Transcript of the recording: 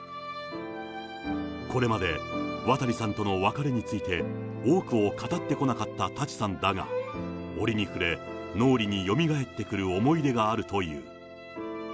これまで渡さんとの別れについて、多くを語ってこなかった舘さんだが、折に触れ、脳裏によみがえってくる思い出があるという。